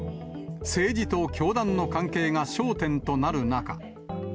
政治と教団の関係が焦点となる中。